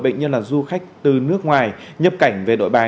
bệnh nhân là du khách từ nước ngoài nhập cảnh về nội bài